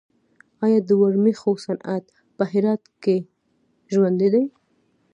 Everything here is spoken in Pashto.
آیا د ورېښمو صنعت په هرات کې ژوندی دی؟